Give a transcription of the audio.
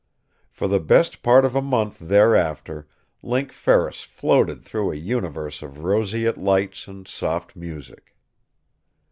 For the best part of a month thereafter Link Ferris floated through a universe of roseate lights and soft music.